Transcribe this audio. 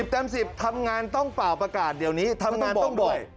เต็ม๑๐ทำงานต้องเป่าประกาศเดี๋ยวนี้ทำงานต้องบ่อย